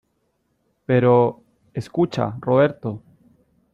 pero... escucha, Roberto .